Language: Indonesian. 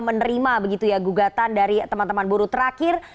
menerima begitu ya gugatan dari teman teman buruh terakhir